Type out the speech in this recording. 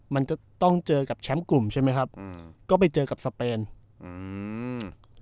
มันก็ต้องเจอกับแชมป์กลุ่มใช่ไหมครับอืมก็ไปเจอกับสเปนอืม